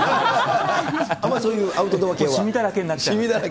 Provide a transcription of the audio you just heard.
あんまりそういうアウトドアしみだらけになるから。